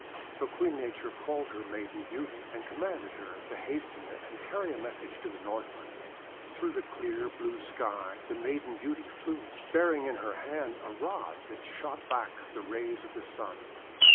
So Queen Nature called her Maiden Beauty, and commanded her to hasten and carry a message to the Northland. Through the clear, blue sky the Maiden Beauty flew, bearing in her hand a rod that shot back the rays of the Sun.